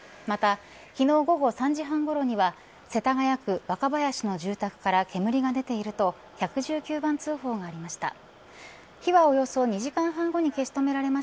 また昨日午後３時半ごろには世田谷区若林の住宅から煙が出ていると１１９番通報がありました。